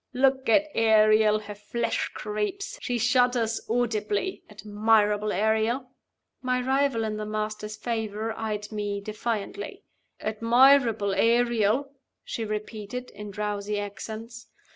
Look at Ariel! Her flesh creeps; she shudders audibly. Admirable Ariel!" My rival in the Master's favor eyed me defiantly. "Admirable Ariel!" she repeated, in drowsy accents.